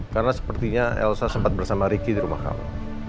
karena sepertinya elsa sempat bersama ricky di rumah kamu